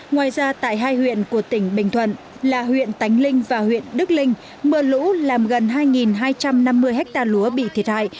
ngoài ra tại hai huyện của tỉnh bình thuận là huyện tánh linh và huyện đức linh mưa lũ làm gần hai hai trăm năm mươi ha lúa bị thiệt hại